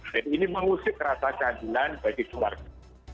jadi ini mengusik rasa keadilan bagi keluarga